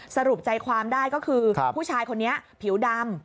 สรุปใจความได้ก็คือผู้ชายคนนี้ผิวดำ